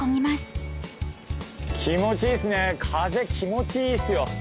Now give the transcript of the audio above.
気持ちいいですね風気持ちいいですよ。